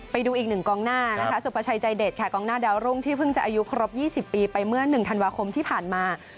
ไปดูอีกหนึ่งกองหน้านะคะสุภาชัยใจเด็ดค่ะกองหน้าดาวรุ่งที่เพิ่งจะอายุครบ๒๐ปีไปเมื่อ๑ธันวาคมที่ผ่านมา